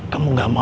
kamu gak mau kan